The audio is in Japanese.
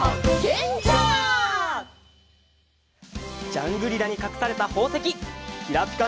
ジャングリラにかくされたほうせききらぴか